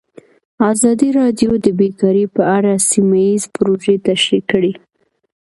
ازادي راډیو د بیکاري په اړه سیمه ییزې پروژې تشریح کړې.